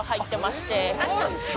そうなんですか？